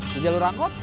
di jalur angkot